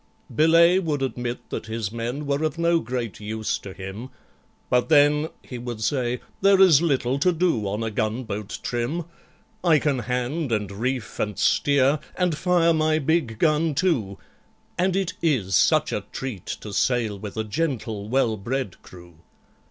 BELAYE would admit that his men were of no great use to him, "But, then," he would say, "there is little to do on a gunboat trim I can hand, and reef, and steer, and fire my big gun too— And it is such a treat to sail with a gentle well bred crew."